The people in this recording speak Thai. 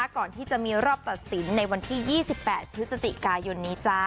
ก่อนที่จะมีรอบตัดสินในวันที่๒๘พฤศจิกายนนี้จ้า